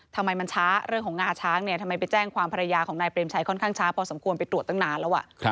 ทำไมมันช้าเรื่องของงาช้างเนี่ยทำไมไปแจ้งความภรรยาของนายเปรมชัยค่อนข้างช้าพอสมควรไปตรวจตั้งนานแล้ว